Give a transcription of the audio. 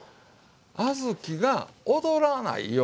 小豆が踊らないようにって。